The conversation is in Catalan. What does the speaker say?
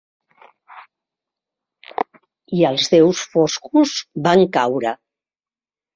I els Déus foscos van caure...